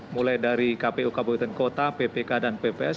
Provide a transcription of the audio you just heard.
mulai dari kpu kabupaten kota ppk dan pps